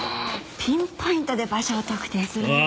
ピンポイントで場所を特定するのは。